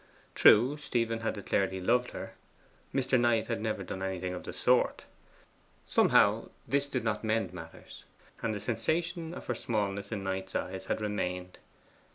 True, Stephen had declared he loved her: Mr. Knight had never done anything of the sort. Somehow this did not mend matters, and the sensation of her smallness in Knight's eyes still remained.